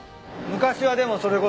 昔はでもそれこそ。